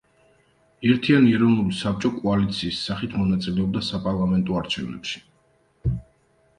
ერთიანი ეროვნული საბჭო კოალიციის სახით მონაწილეობდა საპარლამენტო არჩევნებში.